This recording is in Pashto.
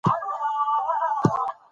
ډيپلومات د مذاکراتو له لارې ستونزې حلوي.